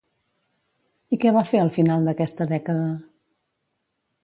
I què va fer al final d'aquesta dècada?